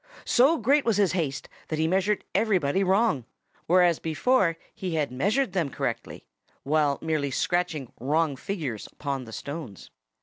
So great was his haste that he measured everybody wrong; whereas before he had measured them correctly, while merely scratching wrong figures upon the stones.